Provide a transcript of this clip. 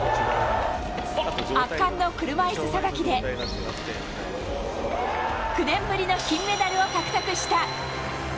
圧巻の車いすさばきで、９年ぶりの金メダルを獲得した。